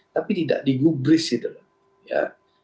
tapi tidak digubris ya